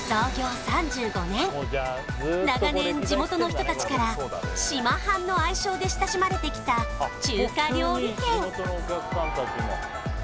長年地元の人たちから島飯の愛称で親しまれてきた中華料理店